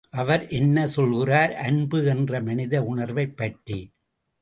அவர் என்ன சொல்கிறார் அன்பு என்ற மனித உணர்வைப் பற்றி!